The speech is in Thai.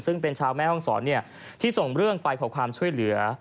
ซึ่งเป็นชาวแม่ห้องศรที่ส่งเรื่องไปขอความช่วยเหลือ